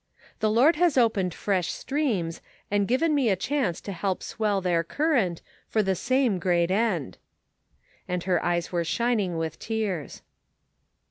The Lord has opened fresh streams, and given me a chance to help swell their current, for the same great end." And her eyes were shining with tears.